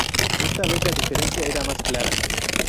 Esta vez la diferencia era más clara.